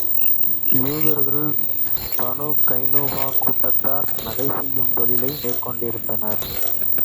யூதர்களுள் Banu Qaynuqa கூட்டத்தார் நகை செய்யும் தொழிலை மேற்கொண்டிருந்தனர்.